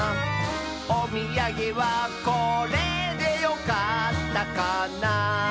「おみやげはこれでよかったかな」